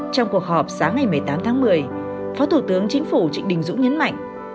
trong cuộc họp sáng ngày một mươi tám tháng một mươi phó thủ tướng chính phủ trịnh đình dũng nhấn mạnh